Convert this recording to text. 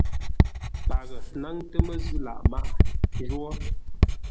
Paghʼə náŋtə́ məzʉ̂ lâʼ maghʼə njwó: